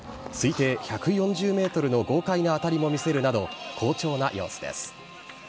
推定１４０メートルの豪快な当たりも見せるなど、好調な様子です。